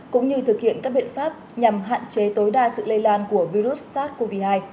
cũng như thực hiện các biện pháp nhằm hạn chế tối đa sự lây lan của virus sars cov hai